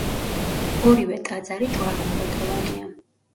ორივე ტაძარი ჯვარ-გუმბათოვანია.